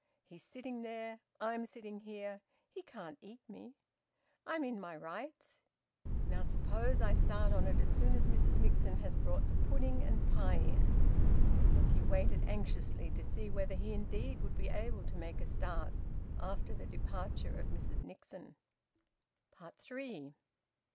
He's sitting there. I'm sitting here. He can't eat me. I'm in my rights. Now suppose I start on it as soon as Mrs Nixon has brought the pudding and pie in?" And he waited anxiously to see whether he indeed would be able to make a start after the departure of Mrs Nixon. THREE.